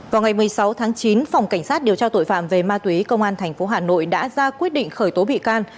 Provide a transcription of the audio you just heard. vào ngày một mươi sáu tháng chín phòng cảnh sát điều tra tội phạm về ma túy công an tp hà nội đã ra quyết định khởi tố bị can